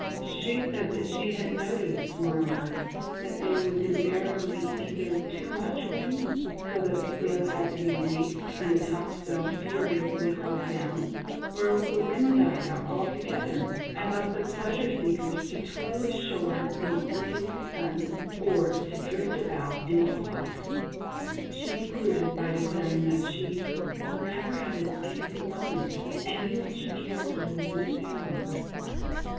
She said that she " had noticed, moreover, that there was invariably either too much wind, so that the sail had to be reefed and the topsail furi ously hauled down, or else the wind died out alto gether, and left the pleasure seekers to toil ashore 50 CLYDE MOORFIELD, YACHTSMAN. in the blazing sun, or to drift about in a fog." She concluded by declaring that she " never had an easy moment when any one she cared for was in a sailboat."